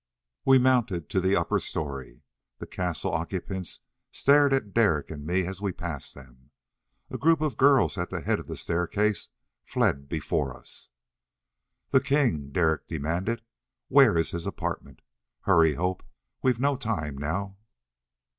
We mounted to the upper story. The castle occupants stared at Derek and me as we passed them. A group of girls at the head of the staircase fled before us. "The king," Derek demanded, "Which is his apartment? Hurry, Hope, we've no time now!"